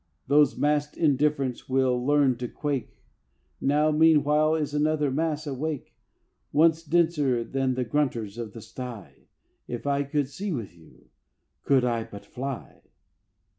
Those massed indifferents will learn to quake: Now meanwhile is another mass awake, Once denser than the grunters of the sty. If I could see with you! Could I but fly!